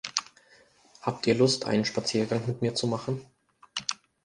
Habt ihr Lust, einen Spaziergang mit mir zu machen?